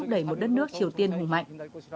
đất nước triều tiên hùng mạnh